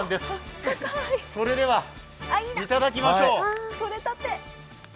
それでは、いただきましょう。